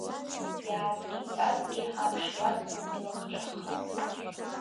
Иаазгьы ицазгьы ҳамш иацын илахҿыххан.